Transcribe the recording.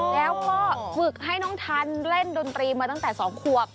แล้วก็ฝึกให้น้องทันเล่นดนตรีมาตั้งแต่๒ควบ